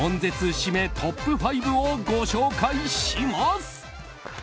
シメトップ５をご紹介します。